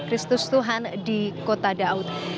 kristus tuhan di kota daud